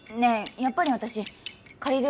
やっぱり私かりるえ